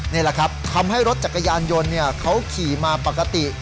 นี่แหละครับทำให้รถจักรยานยนต์เขาขี่มาปกติ